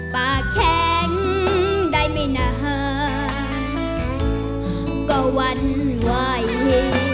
ปากแข็งได้ไม่นานก็วรรณไหว